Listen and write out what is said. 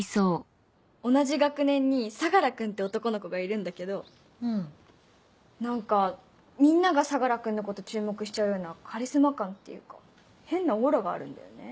同じ学年に相楽君って男の子がいるんだけうん何かみんなが相楽君のこと注目しちゃうようなカリスマ感っていうか変なオーラがあるんだよね